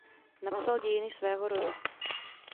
Napsal dějiny svého rodu.